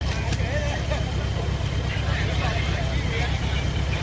เมื่อเวลาอันดับสุดท้ายและเมื่อเวลาอันดับสุดท้ายจะมีเวลาอันดับสุดท้ายมากกว่า